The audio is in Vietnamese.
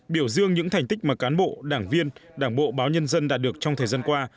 biểu dương những thành tích mà cán bộ đảng viên đảng bộ báo nhân dân đạt được trong thời gian qua